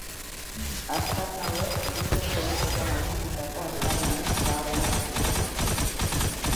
Aztarna hauek Bilboko lurretan aurkitutako aztarnarik zaharrenak dira.